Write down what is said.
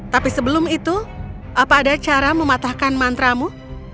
tapi sebelum itu apa ada cara mematahkan mantramu